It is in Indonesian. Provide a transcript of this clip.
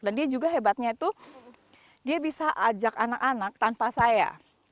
dan dia juga hebatnya itu dia bisa ajak anak anak tanpa saya